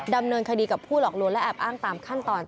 ดำเนินคดีกับผู้หลอกลวงและแอบอ้างตามขั้นตอน